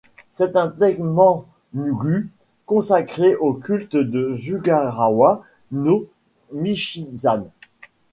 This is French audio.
C'est un Tenman-gū consacré au culte de Sugawara no Michizane.